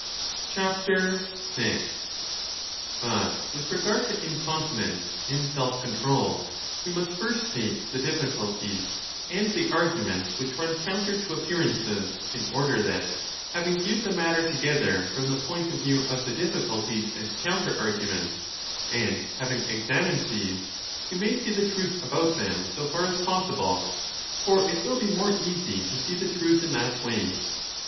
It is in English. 6 But with regard to incontinence and self control we must 20 first state the difficulties and the arguments which run • counter to appearances, in order that, having viewed the matter together from the point of view of the difficulties and counter arguments, and having examined these, we may see the truth about them so far as possible ; for it will be more easy to see the truth in that way.